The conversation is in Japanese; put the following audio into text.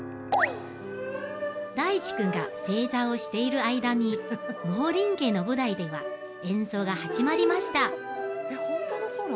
大智君が正座をしている間に霧峰林家の舞台では演奏が始まりました